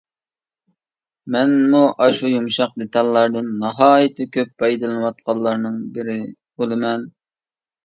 مەنمۇ ئاشۇ يۇمشاق دېتاللاردىن ناھايىتى كۆپ پايدىلىنىۋاتقانلارنىڭ بىرى بولىمەن.